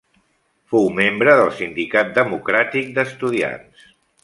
Fou membre del Sindicat Democràtic d'Estudiants.